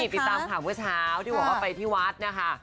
ติดตามข่าวเมื่อเช้าที่บอกว่าไปที่วัดนะคะ